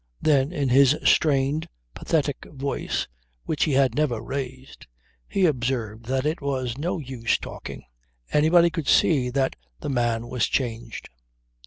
Then in his strained pathetic voice (which he had never raised) he observed that it was no use talking. Anybody could see that the man was changed.